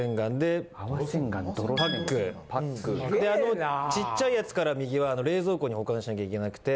であのちっちゃいヤツから右は冷蔵庫に保管しなきゃいけなくて。